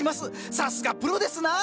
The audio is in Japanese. さすがプロですなあ。